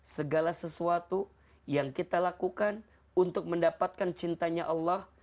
segala sesuatu yang kita lakukan untuk mendapatkan cintanya allah